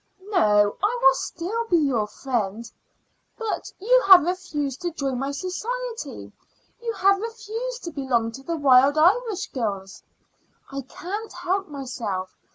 "No; I will still be your friend." "But you have refused to join my society; you have refused to belong to the Wild Irish Girls." "I can't help myself."